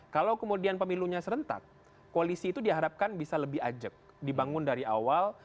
kalau kemudian pemilunya serentak koalisi itu diharapkan bisa lebih ajak dibangun dari awal